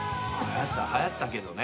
はやったけどね。